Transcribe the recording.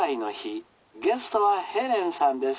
ゲストはヘレンさんです。